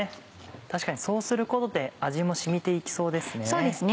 確かにそうすることで味も染みて行きそうですね。